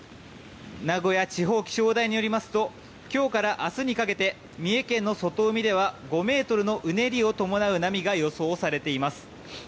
名古屋地方気象台によりますと今日から明日にかけて三重県の外海では５ｍのうねりを伴ううねりが予想されています。